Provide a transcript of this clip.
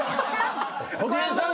布袋さん